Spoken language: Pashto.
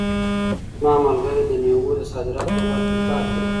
زما ملګری د مېوو د صادراتو په برخه کې کار کوي.